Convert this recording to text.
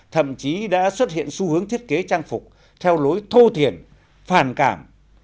thậm chí đã xuất hiện xu hướng thiết kế trang phục theo lối thô thiện phàn cảm